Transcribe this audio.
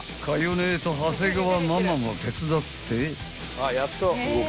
姉と長谷川ママも手伝って］